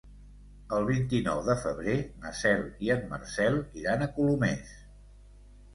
El vint-i-nou de febrer na Cel i en Marcel iran a Colomers.